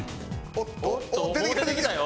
おっともう出てきたよ。